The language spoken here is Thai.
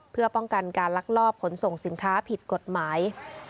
เพื่อป้องกันการลักลอบขนส่งสินค้าผิดกฎหมาย